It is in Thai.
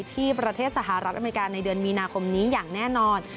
ที่ประเทศสหรัฐอเมริกาในเดือนมีนาคมนี้อย่างแน่นอน